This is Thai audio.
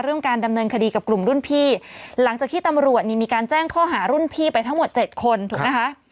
การดำเนินคดีกับกลุ่มรุ่นพี่หลังจากที่ตำรวจนี่มีการแจ้งข้อหารุ่นพี่ไปทั้งหมดเจ็ดคนถูกไหมคะ